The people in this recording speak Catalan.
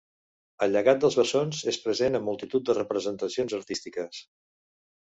El llegat dels bessons és present en multitud de representacions artístiques.